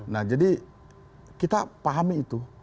nah jadi kita pahami itu